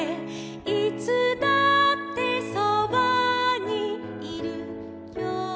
「いつだってそばにいるよ」